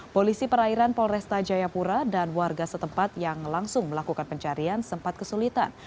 polisi perairan polresta jayapura dan warga setempat yang langsung melakukan pencarian sempat kesulitan